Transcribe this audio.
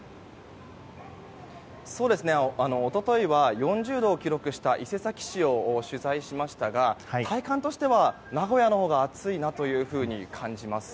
一昨日は４０度を記録した伊勢崎市を取材しましたが体感としては名古屋のほうが暑いなと感じます。